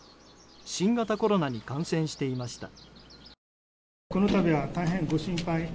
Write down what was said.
新型コロナに感染していました。